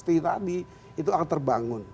yang diberikan tadi itu akan terbangun